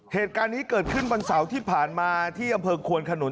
เหตุการณ์นี้เกิดขึ้นวันเสาร์ที่ผ่านมาที่อำเภอควนขนุน